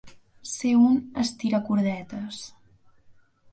Ser un estiracordetes.